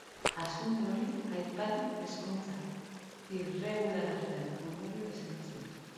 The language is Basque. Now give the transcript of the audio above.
Hazkunde hori aipatu ezkontza irregularren ondorio izan zen.